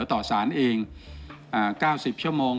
ต่อสารเอง๙๐ชั่วโมง